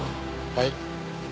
はい。